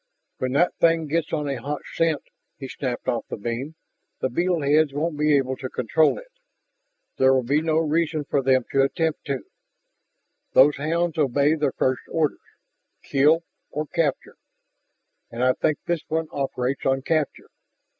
"When that thing gets on a hot scent" he snapped off the beam "the beetle heads won't be able to control it. There will be no reason for them to attempt to. Those hounds obey their first orders: kill or capture. And I think this one operates on 'capture.'